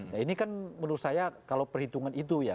nah ini kan menurut saya kalau perhitungan itu ya